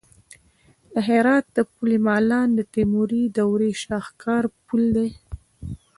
د هرات د پل مالان د تیموري دورې شاهکار پل دی